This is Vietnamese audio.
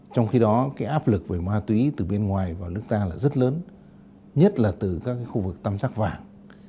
trong khi đó cái áp lực về ma túy từ bên ngoài vào nước ta là rất lớn nhất là từ các khu vực tam giác vàng